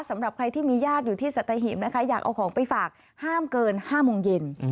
สำหรับใครที่มีญาติอยู่ที่สัตหิบนะคะอยากเอาของไปฝากห้ามเกิน๕โมงเย็น